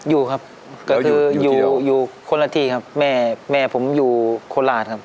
อยู่ครับก็คืออยู่อยู่คนละที่ครับแม่แม่ผมอยู่โคราชครับ